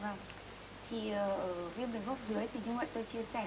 vâng thì viêm đường hoa hấp dưới thì như mọi người tôi chia sẻ